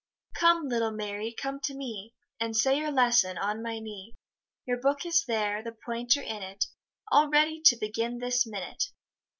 Come, little Mary, come to me, And say your lesson on my knee, Your book is there, the pointer in it, All ready to begin this minute.